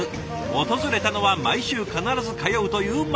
訪れたのは毎週必ず通うというマーケット。